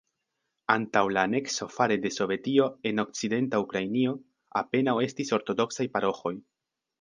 Antaŭ la anekso fare de Sovetio, en okcidenta Ukrainio apenaŭ estis ortodoksaj paroĥoj.